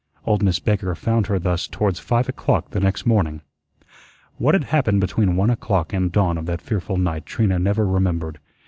Old Miss Baker found her thus towards five o'clock the next morning. What had happened between one o'clock and dawn of that fearful night Trina never remembered.